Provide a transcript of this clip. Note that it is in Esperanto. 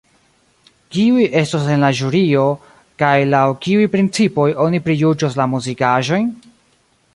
Kiuj estos en la ĵurio, kaj laŭ kiuj principoj oni prijuĝos la muzikaĵojn?